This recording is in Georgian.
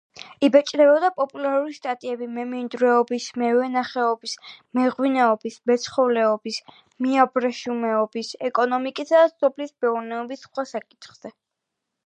იბეჭდებოდა პოპულარული სტატიები მემინდვრეობის, მევენახეობის, მეღვინეობის, მეცხოველეობის, მეაბრეშუმეობის, ეკონომიკისა და სოფლის მეურნეობის სხვა საკითხებზე.